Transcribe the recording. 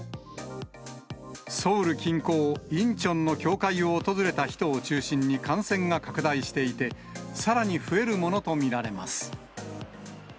ソウル近郊、インチョンの教会を訪れた人を中心に感染が拡大していて、さらに増えるものと見られます。